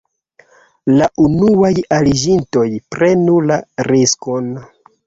La unuaj aliĝintoj prenu la riskon...